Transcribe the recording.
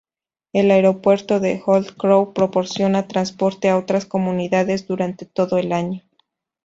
El Aeropuerto de Old Crow proporciona transporte a otras comunidades durante todo el año.